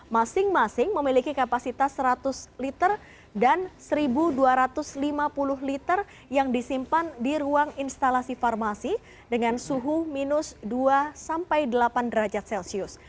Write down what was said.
masing masing memiliki kapasitas seratus liter dan satu dua ratus lima puluh liter yang disimpan di ruang instalasi farmasi dengan suhu minus dua sampai delapan derajat celcius